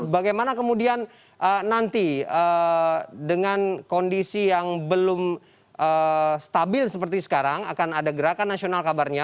bagaimana kemudian nanti dengan kondisi yang belum stabil seperti sekarang akan ada gerakan nasional kabarnya